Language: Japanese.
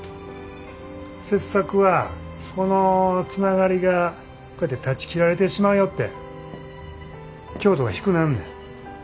切削はこのつながりがこうやって断ち切られてしまうよって強度が低なんねん。